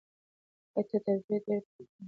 ایا تاسي د تری ډي پرنټرونو د کار په اړه پوهېږئ؟